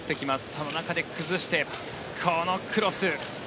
その中で崩してこのクロス。